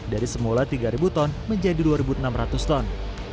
dari semula tiga ribu ton menjadi dua enam ratus ton